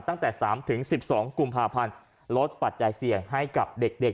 ตั้งแต่๓๑๒กุมภาพันธ์ลดปัจจัยเสี่ยงให้กับเด็ก